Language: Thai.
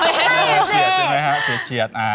เชียดใช่ไหมครับเชียด